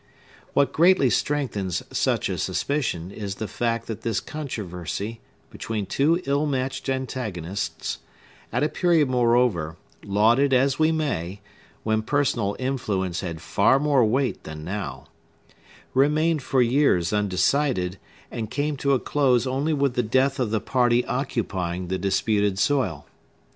What greatly strengthens such a suspicion is the fact that this controversy between two ill matched antagonists—at a period, moreover, laud it as we may, when personal influence had far more weight than now—remained for years undecided, and came to a close only with the death of the party occupying the disputed soil.